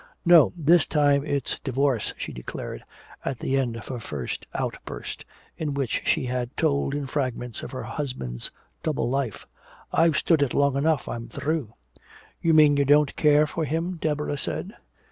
"No, this time it's divorce!" she declared, at the end of her first outburst, in which she had told in fragments of her husband's double life. "I've stood it long enough! I'm through!" "You mean you don't care for him," Deborah said.